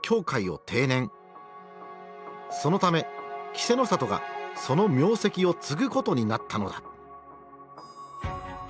そのため稀勢の里がその名跡を継ぐことになったのだ。